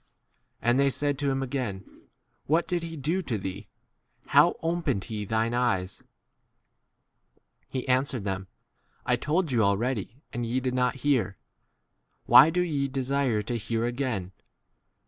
And they said to him again,J What did he do to thee ? 2 ? how opened he thine eyes ? He answered them, I told you already and ye did not hear : why do ye desire to hear again